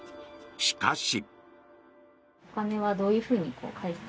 しかし。